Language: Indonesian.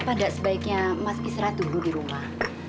apa enggak sebaiknya mas isra dulu di rumah